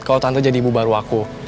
kalau tante jadi ibu baru aku